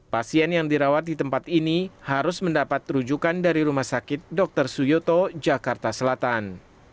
pasien yang dirawat di tempat ini harus mendapat rujukan dari rumah sakit dr suyoto jakarta selatan